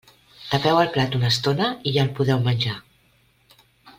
Tapeu el plat una estona i ja el podeu menjar.